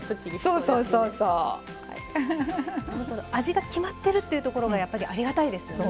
ほんと味が決まってるっていうところがやっぱりありがたいですよね。